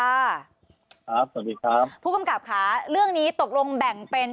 สวัสดีครับผู้กำกับค่ะเรื่องนี้ตกลงแบ่งเป็น